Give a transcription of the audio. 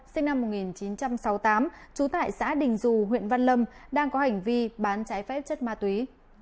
sinh năm một nghìn chín trăm sáu mươi tám trú tại xã đình dù huyện văn lâm đang có hành vi bán trái phép chất ma túy